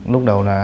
lúc đầu là